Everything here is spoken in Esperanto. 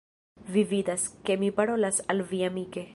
Vi vidas, ke mi parolas al vi amike.